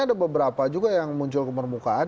ada beberapa juga yang muncul ke permukaan